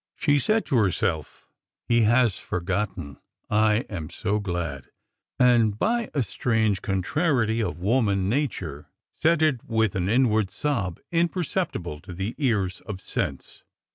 She said to herself, He has forgotten. I am so glad !"— and, by a strange contrariety of woman na ture, said it with an inward sob imperceptible to the ears of sense.